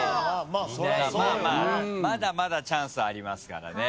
まあまあまだまだチャンスありますからね。